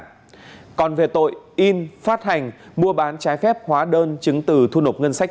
chiếm đoạt tài sản còn về tội in phát hành mua bán trái phép hóa đơn chứng từ thu nộp ngân sách